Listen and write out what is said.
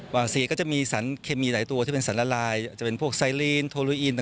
วาซีก็จะมีสารเคมีหลายตัวที่เป็นสารละลายอาจจะเป็นพวกไซลีนโทลูอิน